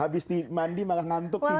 habis mandi malah ngantuk tidur dia